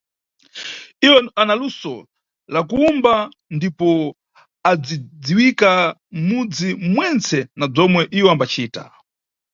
Iwo ana luso la kuwumba ndipo acidziwika mʼmudzi mwentse na bzomwe iwo ambacita.